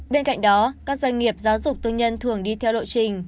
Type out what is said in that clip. bên cạnh đó các doanh nghiệp giáo dục tư nhân thường đi theo lộ trình